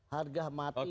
harga mati itu terbatas